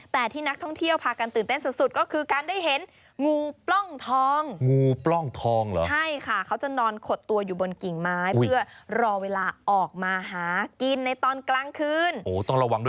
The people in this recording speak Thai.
แต่ที่นักท่องเที่ยวพากันตื่นเต้นสุดก็คือการได้เห็นงูปล้องทอง